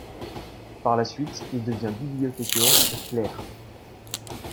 Par la suite, il devint bibliothécaire et clerc.